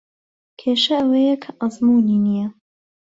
کێشە ئەوەیە کە ئەزموونی نییە.